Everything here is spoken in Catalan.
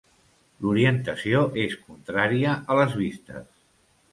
L'orientació és contrària a les vistes.